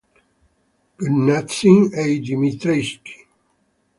Knyazhnin e I. Dmitrevsky.